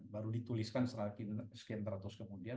baru dituliskan sekian ratus kemudian